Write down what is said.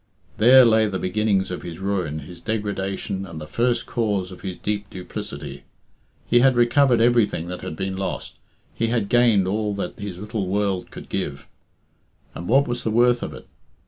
There lay the beginnings of his ruin, his degradation, and the first cause of his deep duplicity. He had recovered everything that had been lost; he had gained all that his little world could give; and what was the worth of it?